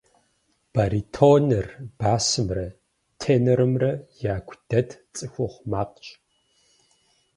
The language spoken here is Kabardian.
Баритоныр басымрэ тенорымрэ яку дэт цӏыхухъу макъщ.